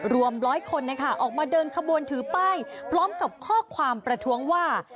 ร้อยคนนะคะออกมาเดินขบวนถือป้ายพร้อมกับข้อความประท้วงว่า